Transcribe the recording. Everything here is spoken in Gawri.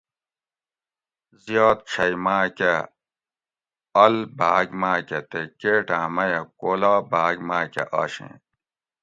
زیات چھئ ما کہ اۤل باک ماکہ تے کیٹاۤں میہ کولا باگ ماۤکہ آشیں